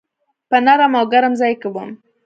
په نرم او ګرم ځای کي وم .